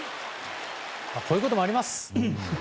こういうこともあります！